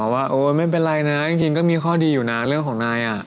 ว่าโอ๊ยไม่เป็นไรนะจริงก็มีข้อดีอยู่นะเรื่องของนาย